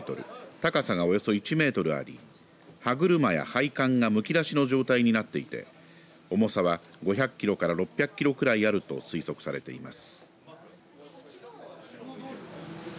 高さがおよそ１メートルあり歯車や配管がむき出しの状態になっていて重さは５００キロから６００キロくらいあると推測されています。